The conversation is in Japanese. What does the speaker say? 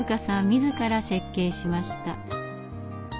自ら設計しました。